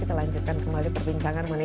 kita lanjutkan kembali perbincangan